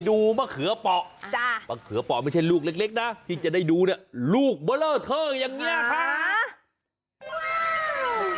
มะเขือเปาะมะเขือเปาะไม่ใช่ลูกเล็กนะที่จะได้ดูเนี่ยลูกเบอร์เลอร์เทอร์อย่างนี้ครับ